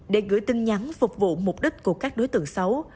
để gửi tin nhắn phục vụ mục đích của các đối tượng xấu